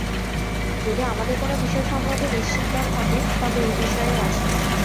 যদি আমাদের কোন বিষয় সম্বন্ধে নিশ্চিত জ্ঞান থাকে, তবে এই বিষয়েই আছে।